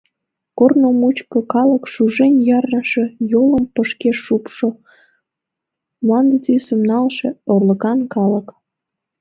Корно мучко калык — шужен ярныше, йолым пыкше шупшшо, мланде тӱсым налше, орлыкан калык.